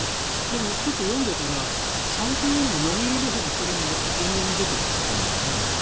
でも、ちょっと読んでいたら産経よりも読売のほうがそれがもっと前面に出ている感じでしたね。